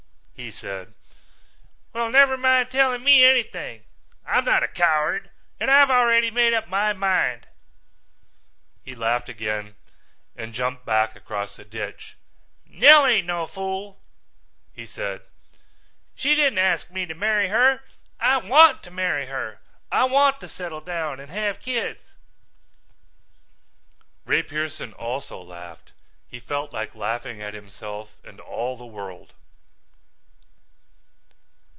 he said. "Well, never mind telling me anything. I'm not a coward and I've already made up my mind." He laughed again and jumped back across the ditch. "Nell ain't no fool," he said. "She didn't ask me to marry her. I want to marry her. I want to settle down and have kids." Ray Pearson also laughed. He felt like laughing at himself and all the world.